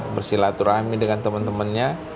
bersilaturahmi dengan teman temannya